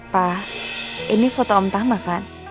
pak ini foto om tama kan